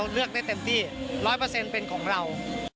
การเดินทางปลอดภัยทุกครั้งในฝั่งสิทธิ์ที่หนูนะคะ